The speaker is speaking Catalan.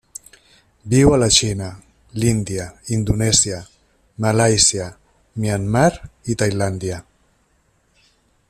Viu a la Xina, l'Índia, Indonèsia, Malàisia, Myanmar i Tailàndia.